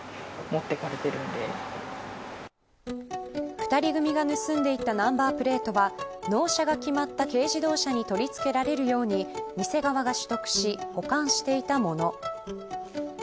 ２人組が盗んでいったナンバープレートは納車が決まった軽自動車に取り付けられるように店側が取得し保管していたもの。